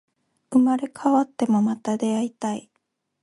生まれ変わっても、また出会いたい